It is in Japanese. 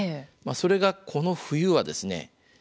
それが、この冬はですね